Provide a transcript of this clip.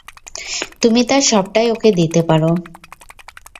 তুমি তার সবটাই ওকে দিতে পার।